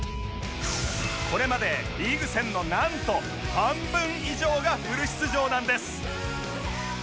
これまでリーグ戦のなんと半分以上がフル出場なんです